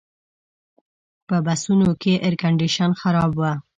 په بسونو کې ایرکنډیشن خراب و.